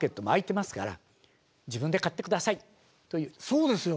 そうですよね。